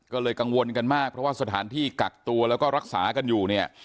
ก็เลยกังวลกันมากเพราะว่าสถานที่กักตัวแล้วก็รักษากันอยู่เนี่ย